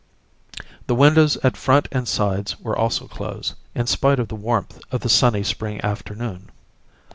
The windows at front and sides were also closed, in spite of the warmth of the sunny spring afternoon.